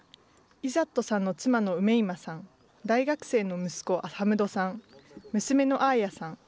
イザットさんの妻のウメイマさん、大学生の息子、アハムドさん、娘のアーヤさん。